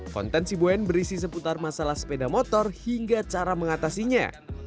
konten si boen berisi seputar masalah sepeda motor hingga cara mengatasinya